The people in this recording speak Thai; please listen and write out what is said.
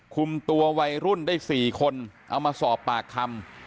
คุมตัววัยรุ่นได้๔คนเอามาสอบปากคำ